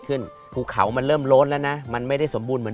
ภูเขามันเริ่มโล้นแล้วนะมันไม่ได้สมบูรณเหมือน